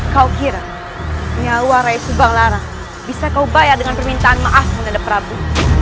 kau kira nyawa raisubang lara bisa kau bayar dengan permintaan maaf menghadap prabu